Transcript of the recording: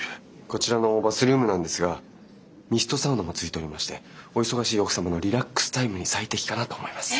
こちらのバスルームなんですがミストサウナもついておりましてお忙しい奥様のリラックスタイムに最適かなと思います。